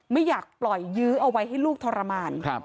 ไม่อยากปล่อยยื้อเอาไว้ให้ลูกทรมาน